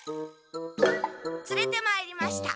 つれてまいりました。